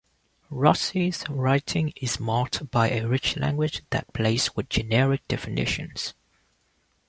Rossi's writing is marked by a rich language that plays with generic definitions.